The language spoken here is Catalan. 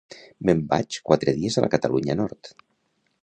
Me'n vaig quatre dies a la Catalunya nord